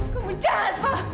kamu jahat pak